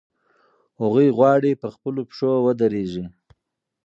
هغوی غواړي په خپلو پښو ودرېږي.